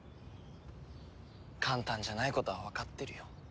簡単じゃないことはわかってるよ。